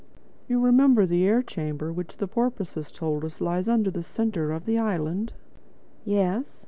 "You remember the air chamber which the porpoises told us lies under the centre of the island?" "Yes."